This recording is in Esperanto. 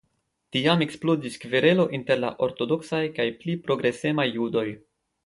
Tiam eksplodis kverelo inter la ortodoksaj kaj pli progresemaj judoj.